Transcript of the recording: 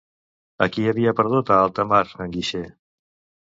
A qui havia perdut a alta mar, en Guixer?